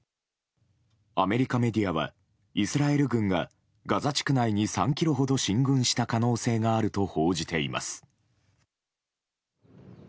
アメリカメディアはイスラエル軍がガザ地区内に３ｋｍほど進軍した可能性があると報じています。